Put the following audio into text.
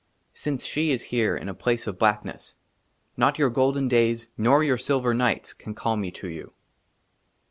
SINCE SHE IS HERE IN A PLACE OF BLACKNESS, NOT YOUR GOLDEN DAYS NOR YOUR SILVER NIGHTS CAN CALL ME TO YOU.